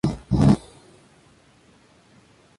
Miguel I huyó a Epiro para establecer el Despotado de Epiro.